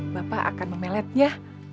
bapak akan memeletnya